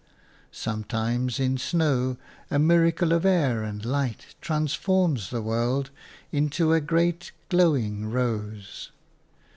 Sometimes in snow a miracle of air and light transforms the world into a great glowing rose.